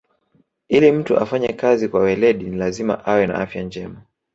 Ili mtu afanye kazi kwa weledi ni lazima awe na afya njema